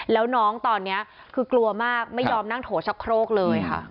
แล้วน้องตอนนี้คือกลัวมากไม่ยอมนั่งโถชะโครกเลยค่ะ